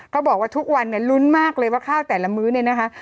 เขาบอกว่าทุกวันเนี่ยลุ้นมากเลยว่าข้าวแต่ละมื้อเนี่ยนะคะ